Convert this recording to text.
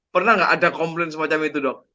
pernah nggak ada komplain semacam itu dok